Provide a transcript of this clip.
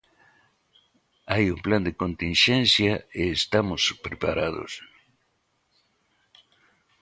Hai un plan de continxencia e estamos preparados.